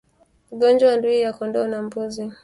Ugonjwa wa ndui ya kondoo na mbuzi